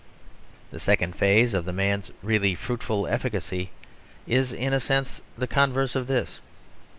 The second phase of the man's really fruitful efficacy is in a sense the converse of this.